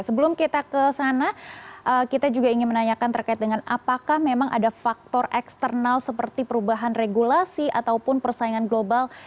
sebelum kita ke sana kita juga ingin menanyakan terkait dengan apakah memang ada faktor eksternal seperti perubahan regulasi ataupun persaingan global